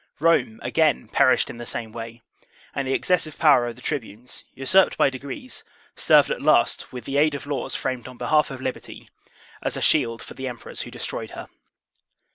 Rome, again, perished in the same way; and the excessive power of the tribunes, usurped by degrees, served at last, with the aid of laws framed on behalf of liberty, as a shield for the emperors who destroyed her.